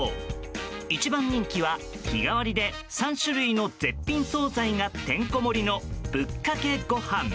一番人気は日替わりで３種類の絶品総菜がてんこ盛りのぶっかけごはん。